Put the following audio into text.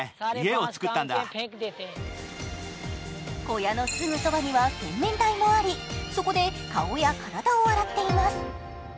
小屋のすぐそばには洗面台もあり、そこで顔や体を洗っています。